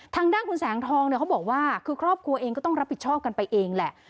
ทางด้านคุณแสงทองเนี่ยเขาบอกว่าคือครอบครัวเองก็ต้องรับผิดชอบกันไปเองแหละ